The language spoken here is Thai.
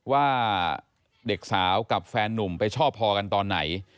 ว่าเด็กสาวกับแฟนนุ่มไปชอบพอกันตอนไหน